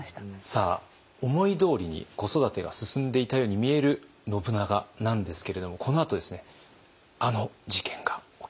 さあ思いどおりに子育てが進んでいたように見える信長なんですけれどもこのあとあの事件が起きます。